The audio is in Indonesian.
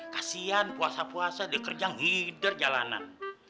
kasian puasa puasa deh kerja hidar jalanan